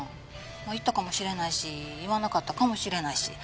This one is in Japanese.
言ったかも知れないし言わなかったかもしれないし。